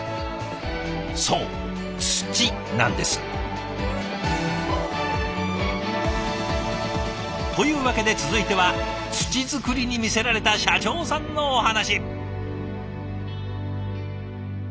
そう土なんです！というわけで続いては土作りに魅せられた社長さんのお話。